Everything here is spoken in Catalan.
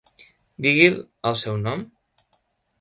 Digui'l el seu nom?